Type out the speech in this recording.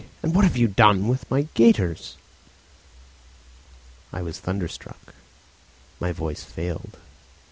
and what have you done with my gaiters?" I stood thunderstruck. My voice failed.